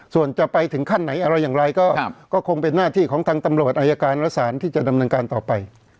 ส่วนจะไปถึงขั้นไหนอะไรอย่างไรก็คงเป็นหน้าที่ของทางตำรวจอายการและสารที่จะดำเนินการต่อไป